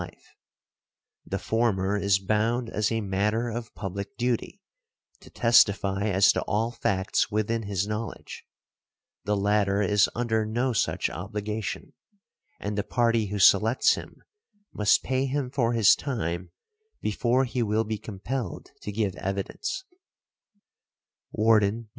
The former is bound as a matter of public duty to testify as to all facts within his knowledge, the latter is under no such obligation, and the party who selects him must pay him for his time before he will be compelled to give evidence . Worden, J.